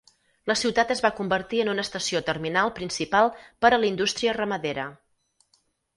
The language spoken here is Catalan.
La ciutat es va convertir en una estació terminal principal per a la indústria ramadera.